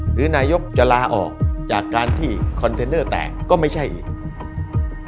หรือนายกจะลาออกจากการที่คอนเทนเนอร์แตกก็ไม่ใช่อีก